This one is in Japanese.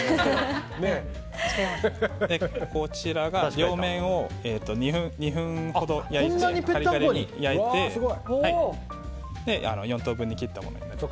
こちらが両面を２分ほどカリカリに焼いて４等分に切ったものです。